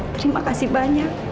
terima kasih banyak